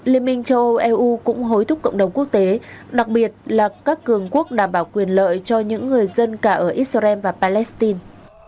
liên minh châu âu eu cũng hối thúc cộng đồng quốc tế đặc biệt là các cường quốc đảm bảo quyền lợi cho những người dân cả ở israel và palestine